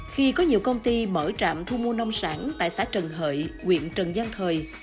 khi có nhiều công ty mở trạm thu mua nông sản tại xã trần hợi quyện trần giang thời